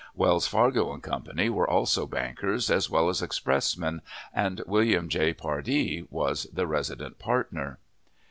Wells, Fargo & Co. were also bankers as well as expressmen, and William J. Pardee was the resident partner.